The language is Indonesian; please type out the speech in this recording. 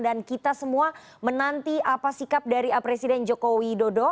dan kita semua menanti apa sikap dari presiden jokowi dodo